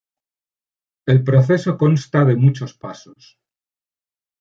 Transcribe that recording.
El proceso consta de muchos pasos.